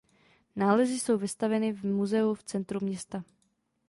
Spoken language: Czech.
Nálezy jsou vystaveny v muzeu v centru města.